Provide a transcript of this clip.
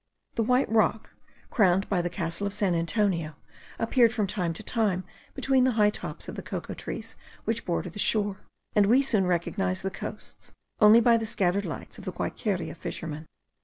The white rock, crowned by the castle of San Antonio, appeared from time to time between the high tops of the cocoa trees which border the shore; and we soon recognized the coasts only by the scattered lights of the Guaiqueria fishermen.